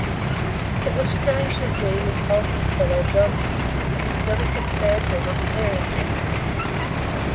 It was strange to see this hulking fellow dog sick, and this delicate, sad woman caring for him.